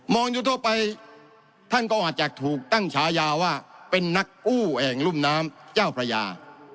อยู่ทั่วไปท่านก็อาจจะถูกตั้งฉายาว่าเป็นนักกู้แอ่งรุ่มน้ำเจ้าพระยา